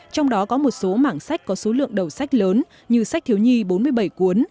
trong đó có một số mảng sách có số lượng đầu sách lớn như sách thiếu nhi bốn mươi bảy cuốn